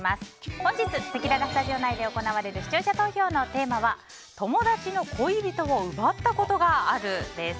本日せきららスタジオ内で行われる視聴者投票のテーマは友達の恋人を奪ったことがあるです。